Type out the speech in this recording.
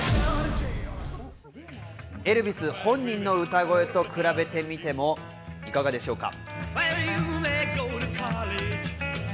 エルヴィス本人の歌声と比べてみてもいかがでしょうか？